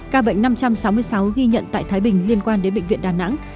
ca bệnh năm trăm sáu mươi sáu ghi nhận tại thái bình liên quan đến bệnh viện đà nẵng